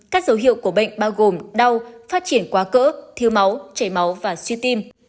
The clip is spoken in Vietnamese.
các dấu hiệu của bệnh bao gồm đau phát triển quá cỡ thiếu máu chảy máu và suy tim